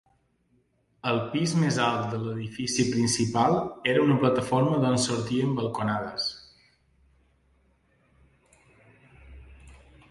El pis més alt de l'edifici principal era una plataforma d'on sortien balconades.